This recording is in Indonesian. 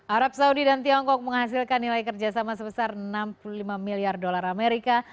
arab saudi dan tiongkok menghasilkan nilai kerjasama sebesar enam puluh lima miliar dolar amerika